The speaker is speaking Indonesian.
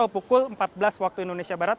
pukul empat belas waktu indonesia barat